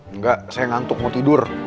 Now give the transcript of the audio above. enggak saya ngantuk mau tidur